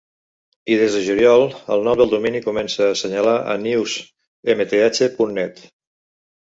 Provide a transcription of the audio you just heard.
I des de juliol, el nom del domini començà a assenyalar a newsmth punt net.